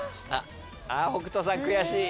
北斗さん悔しい。